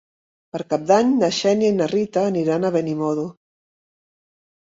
Per Cap d'Any na Xènia i na Rita aniran a Benimodo.